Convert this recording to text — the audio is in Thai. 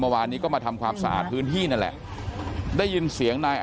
เมื่อวานนี้ก็มาทำความสะอาดพื้นที่นั่นแหละได้ยินเสียงนาย